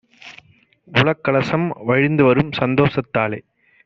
உளக்கலசம் வழிந்துவரும் சந்தோஷத் தாலே